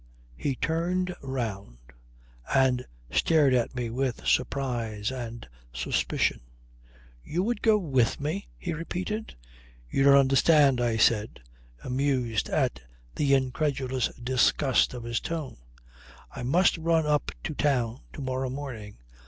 He turned round and stared at me with surprise and suspicion. "You would go with me?" he repeated. "You don't understand," I said, amused at the incredulous disgust of his tone. "I must run up to town, to morrow morning.